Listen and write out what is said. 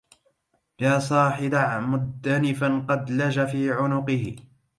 يا صاح دع مدنفا قد لج في عنقه